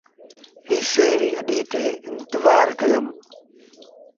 ايسيٚ ري اَڏي تي انتزآر ڪيٚم۔